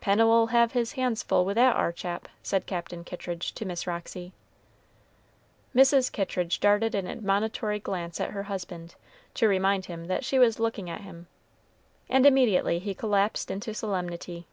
"Pennel'll have his hands full with that ar chap," said Captain Kittridge to Miss Roxy. Mrs. Kittridge darted an admonitory glance at her husband, to remind him that she was looking at him, and immediately he collapsed into solemnity.